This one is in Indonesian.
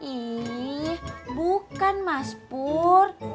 ih bukan mas pur